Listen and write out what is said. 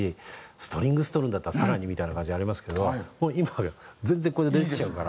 ストリングスとるんだったら更にみたいな感じがありますけど今や全然これでできちゃうから。